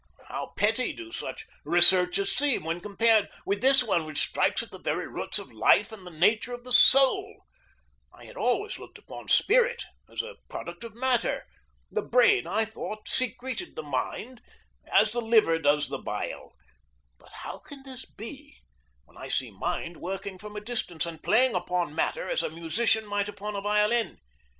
How petty do such researches seem when compared with this one which strikes at the very roots of life and the nature of the soul! I had always looked upon spirit as a product of matter. The brain, I thought, secreted the mind, as the liver does the bile. But how can this be when I see mind working from a distance and playing upon matter as a musician might upon a violin?